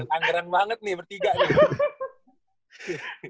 anggaran banget nih bertiga nih